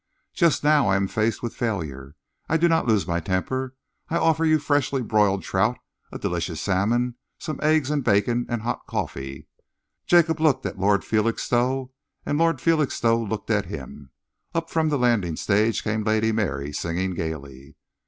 Just now I am faced with failure. I do not lose my temper. I offer you freshly broiled trout, a delicious salmon, some eggs and bacon, and hot coffee." Jacob looked at Lord Felixstowe, and Lord Felixstowe looked at him. Up from the landing stage came Lady Mary, singing gaily.